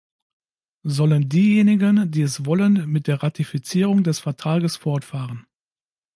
Sollen diejenigen, die es wollen, mit der Ratifizierung des Vertrages fortfahren.